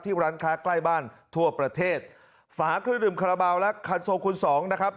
ร้านค้าใกล้บ้านทั่วประเทศฝาเครื่องดื่มคาราบาลและคันโซคูณสองนะครับ